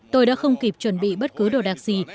tôi đã không kịp chuẩn bị bất cứ đồ đạc gì